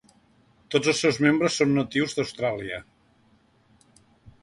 Tots els seus membres són natius d'Austràlia.